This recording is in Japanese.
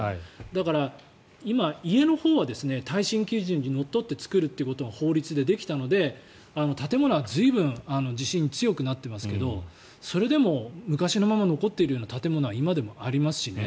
だから、今、家のほうは耐震基準にのっとって作るということが法律でできたので建物は随分地震に強くなってますがそれでも昔のまま残っているような建物は今でもありますしね。